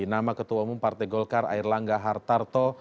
nama ketua umum partai golkar air langga hartarto